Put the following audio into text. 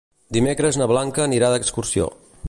Dimecres na Blanca anirà d'excursió.